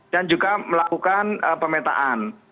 dan juga melakukan pemetaan